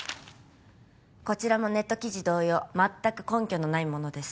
こちらもネット記事同様全く根拠のないものです